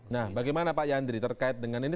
nah bagaimana pak yandri terkait dengan ini